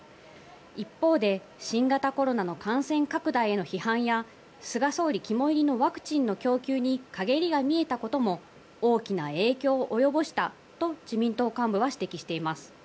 一方で新型コロナの感染拡大への批判や菅総理肝煎りのワクチンの供給に陰りが見えたことも大きな影響を及ぼしたと自民党幹部は指摘しています。